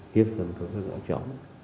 hiếp dâm của các đứa chó